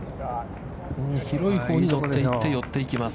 広いほうに乗っていって寄っていきます。